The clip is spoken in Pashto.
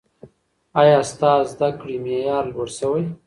ایا ستا د زده کړې معیار لوړ سوی؟